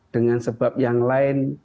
dengan sebab yang lain